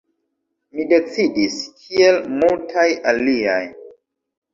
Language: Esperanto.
Mi decidis, kiel multaj aliaj.